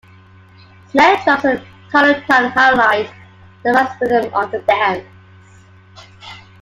Snare drums and talutang highlight the fast rhythm of the dance.